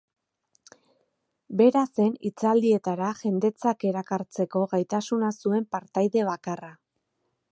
Bera zen hitzaldietara jendetzak erakartzeko gaitasuna zuen partaide bakarra.